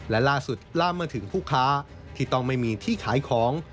และล่าสุดล่าเมื่อถึงผู้ค้าที่ต้องไม่มีที่ขายของ